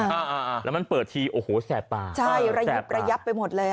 อ่าอ่าแล้วมันเปิดทีโอ้โหแสบตาใช่ระยิบระยับไปหมดเลย